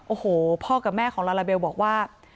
โอ้โหพ่อกับแม่ของลาลาเบลบอกว่า